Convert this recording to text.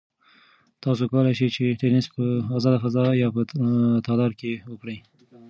تاسو کولای شئ چې تېنس په ازاده فضا یا په تالار کې وکړئ.